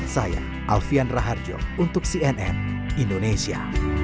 saya alfian raharjo untuk cnn indonesia